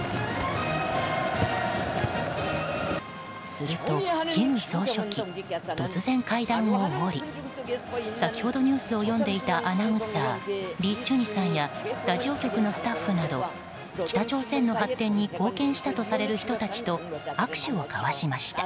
すると、金総書記突然階段を下り先ほどニュースを読んでいたアナウンサーリ・チュニさんやラジオ局のスタッフなど北朝鮮に発展に貢献したとされる人たちと握手を交わしました。